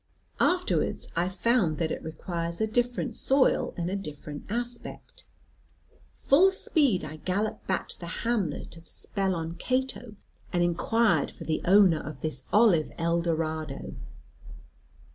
Afterwards I found that it requires a different soil, and a different aspect. Full speed I galloped back to the hamlet of Speloncato, and inquired for the owner of this olive Eldorado.